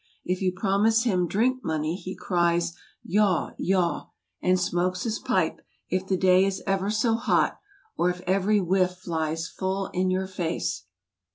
If you promise him drink money , he cries yaw, yaw ; and smokes his pipe, if the day is ever so hot, or if every whiff dies full in your face.